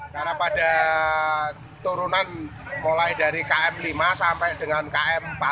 karena pada turunan mulai dari km lima sampai dengan km empat